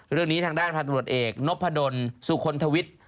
เรื่องนี้ทางด้านพันธุรกิจเอกนพดลสุคลทวิทย์